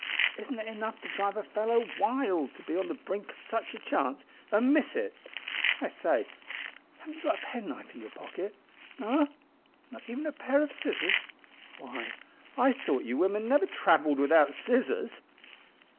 Isn't it enough to drive a fellow wild to be on the brink of such a chance an' miss it? I say, haven't you got a penknife in your pocket no? Not even a pair o' scissors? Why, I thought you women never travelled without scissors!"